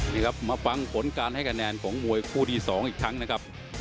นี่ครับมาฟังผลการให้คะแนนของมวยคู่ที่๒อีกครั้งนะครับ